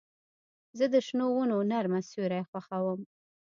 زه د شنو ونو نرمه سیوري خوښوم.